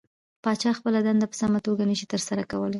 پاچا خپله دنده په سمه توګه نشي ترسره کولى .